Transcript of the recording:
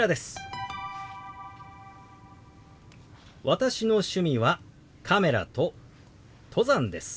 「私の趣味はカメラと登山です」。